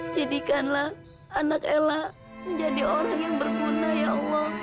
jadikanlah anak ella menjadi orang yang berguna ya allah